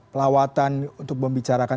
pelawatan untuk membicarakan